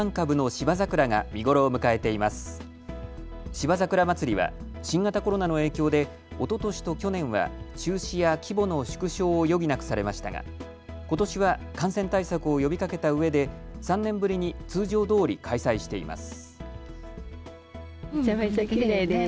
芝桜まつりは新型コロナの影響でおととしと去年は中止や規模の縮小を余儀なくされましたが、ことしは感染対策を呼びかけたうえで３年ぶりに通常どおり開催しています。